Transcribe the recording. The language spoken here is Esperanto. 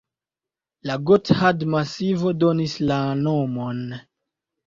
La Gothard-masivo donis la nomon.